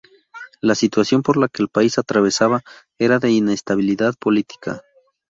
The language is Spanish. La situación por la que el país atravesaba era de inestabilidad política.